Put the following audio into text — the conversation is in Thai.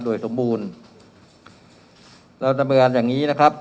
โดยสมบูรณ์เราจะเมืองอย่างงี้นะครับ